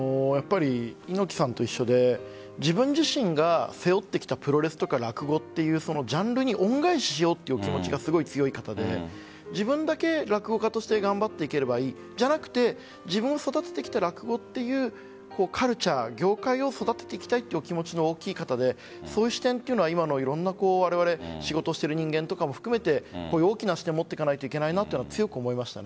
猪木さんと一緒で自分自身が背負ってきたプロレスとか落語というジャンルに恩返ししようという気持ちがすごい強い方で自分だけ落語家として頑張っていければいいじゃなくて自分が育ててきた落語というカルチャー、業界を育てていきたいという気持ちの大きい方でそういう視点は今のいろんな仕事をしている人間とかも含めて大きな視点を持っていかないといけないなと強く思いました。